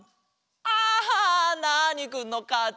あナーニくんのかち。